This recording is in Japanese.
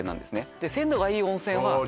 で鮮度がいい温泉はそう